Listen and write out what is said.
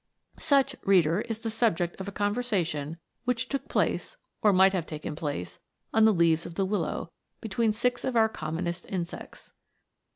Such, reader, is the subject of a conversation METAMORPHOSES. 153 which took place, or might have taken place, on the leaves of the willow, between six of our com monest insects.